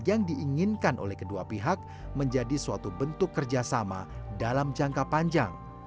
yang diinginkan oleh kedua pihak menjadi suatu bentuk kerjasama dalam jangka panjang